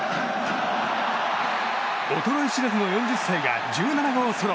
衰え知らずの４０歳が１７号ソロ。